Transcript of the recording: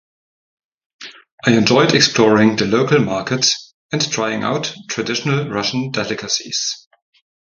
I enjoyed exploring the local markets and trying out traditional Russian delicacies.